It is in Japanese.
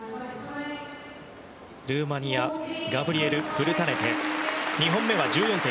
ルーマニアガブリエル・ブルタネテ２本目は１４．４００。